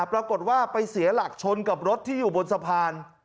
ปรากฏว่าไปเสียหลักชนกับรถที่อยู่บนสะพาน